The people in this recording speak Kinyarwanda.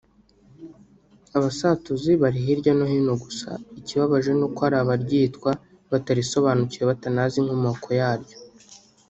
Abasatuzi bari hirya no hino gusa ikibabaje ni uko hari abaryitwa batarisobanukiwe batanazi inkomoko yaryo